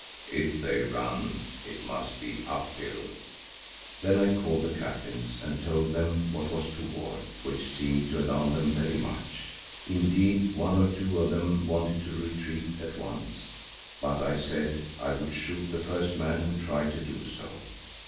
If they run it must be up hill." Then I called the captains and told them what was toward, which seemed to alarm them very much. Indeed one or two of them wanted to retreat at once, but I said I would shoot the first man who tried to do so.